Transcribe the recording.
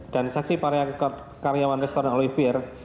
dan saksi para karyawan restoran oleh vir